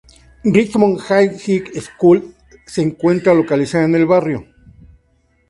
Richmond Hill High School se encuentra localizada en el barrio.